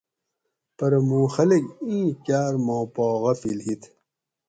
پرہ موں خلک ایں کاۤر ما پا غافل ہِت